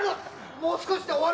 もう少しで終わる！